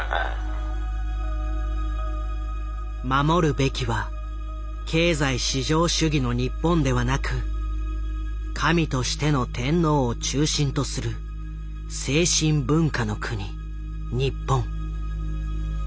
守るべきは経済至上主義の日本ではなく神としての天皇を中心とする精神文化の国日本。